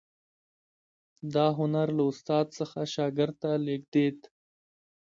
دا هنر له استاد څخه شاګرد ته لیږدید.